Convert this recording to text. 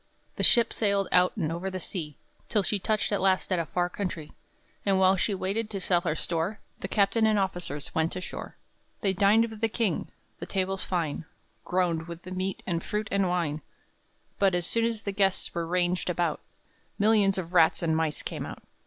The ship sailed out and over the sea, Till she touched at last at a far country; And while she waited to sell her store, The captain and officers went ashore. They dined with the king; the tables fine Groaned with the meat and fruit and wine; But, as soon as the guests were ranged about, Millions of rats and mice came out.